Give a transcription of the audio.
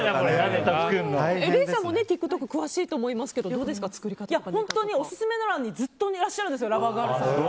礼さんもＴｉｋＴｏｋ詳しいと思いますけど本当にオススメのところにずっといらっしゃるんですラバーガールさん。